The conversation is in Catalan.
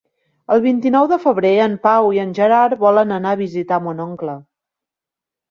El vint-i-nou de febrer en Pau i en Gerard volen anar a visitar mon oncle.